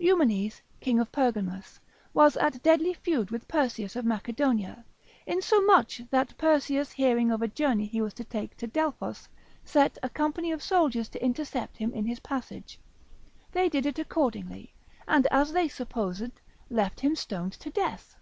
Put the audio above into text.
Eumenes, king of Pergamus, was at deadly feud with Perseus of Macedonia, insomuch that Perseus hearing of a journey he was to take to Delphos, set a company of soldiers to intercept him in his passage; they did it accordingly, and as they supposed left him stoned to death.